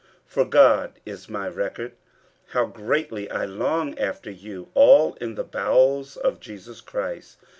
50:001:008 For God is my record, how greatly I long after you all in the bowels of Jesus Christ.